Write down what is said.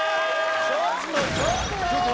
ちょっとちょっと！